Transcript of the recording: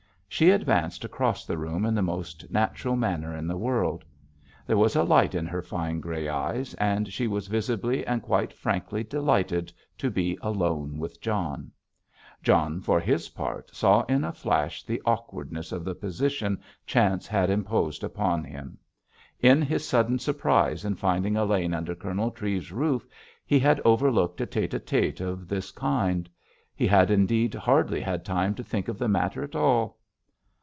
She advanced across the room in the most natural manner in the world. There was a light in her fine grey eyes, and she was visibly and quite frankly delighted to be alone with John. John, for his part, saw in a flash the awkwardness of the position chance had imposed upon him. In his sudden surprise in finding Elaine under Colonel Treves's roof he had overlooked a tête à tête of this kind. He had indeed hardly had time to think of the matter at all.